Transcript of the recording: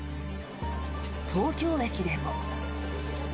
東京駅でも。